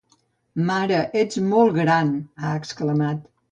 Mare, ets molt gran!, ha exclamat.